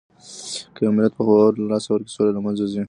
که يو ملت خپل باور له لاسه ورکړي، سوله له منځه ځي.